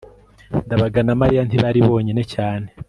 ndabaga na mariya ntibari bonyine cyane